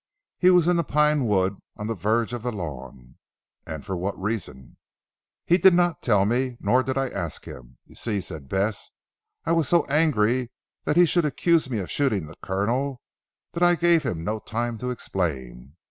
"He was in the Pine Wood; on the verge of the lawn." "And for what reason?" "He did not tell me; nor did I ask him. You see," said Bess, "I was so angry that he should accuse me of shooting the Colonel, that I gave him no time to explain.